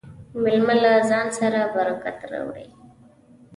مېلمه له ځان سره برکت راوړي.